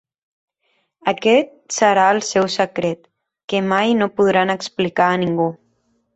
Aquest serà el seu secret, que mai no podran explicar a ningú.